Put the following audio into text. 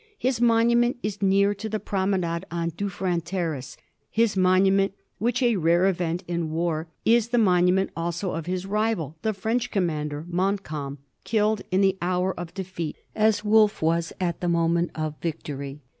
His monument is near to the promenade on DufiTerin Ter race — his monument which, a rare event in war, is the monument also of his rival, the French commander, Mont calm, killed in the hour of defeat, as Wolfe was at the moment of victory.